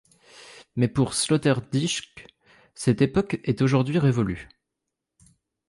Mais pour Sloterdijk, cette époque est aujourd'hui révolue.